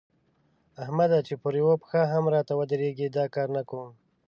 احمده! چې پر يوه پښه هم راته ودرېږي؛ دا کار نه کوم.